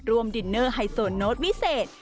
ดินเนอร์ไฮโซโน้ตวิเศษ